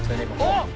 あっ！